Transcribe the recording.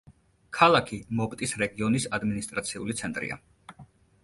ქალაქი მოპტის რეგიონის ადმინისტრაციული ცენტრია.